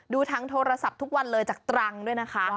ดูทางโทรศัพท์ทุกวันเลยจากตรังด้วยนะคะ